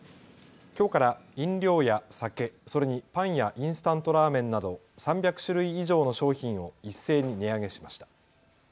きょうから飲料や酒、それにパンやインスタントラーメンなど３００種類以上の商品を一斉に値上げしました。